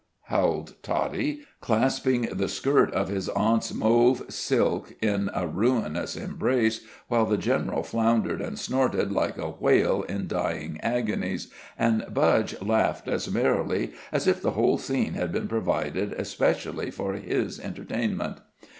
howled Toddie, clasping the skirt of his aunt's mauve silk in a ruinous embrace, while the general floundered and snorted like a whale in dying agonies, and Budge laughed as merrily as if the whole scene had been provided especially for his entertainment.